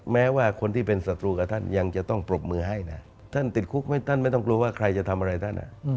แม้ว่าคนที่เป็นศัตรูกับท่านยังจะต้องปรบมือให้นะท่านติดคุกท่านไม่ต้องกลัวว่าใครจะทำอะไรท่าน